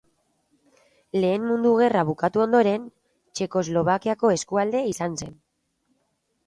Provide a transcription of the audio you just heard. Lehen Mundu Gerra bukatu ondoren Txekoslovakiako eskualde izan zen.